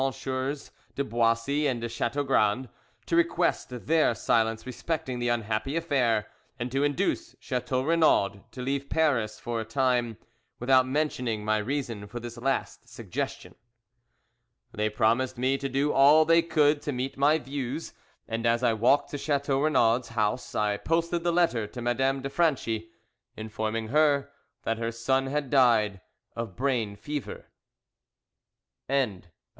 de Boissy and de Chateaugrand, to request their silence respecting the unhappy affair, and to induce Chateau Renaud to leave Paris for a time, without mentioning my reason for this last suggestion. They promised me to do all they could to meet my views, and as I walked to Chateau Renaud's house I posted the letter to Madame de Franchi, informing her that her son had died of brain fever. CHAPTER XVIII.